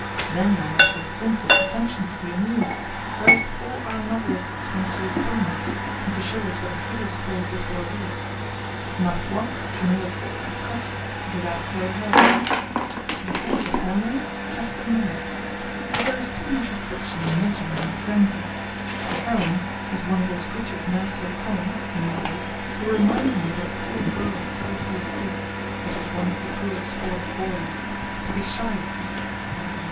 Then I have the sinful pretension to be amused, whereas all our novelists want to reform us, and to show us what a hideous place this world is: Ma foi, je ne le sais que trap, without their help. The Head of the Family has some merits ... But there is too much affliction and misery and frenzy. The heroine is one of those creatures now so common (in novels), who remind me of a poor bird tied to a stake (as was once the cruel sport of boys) to be 'shyed' at (i.e.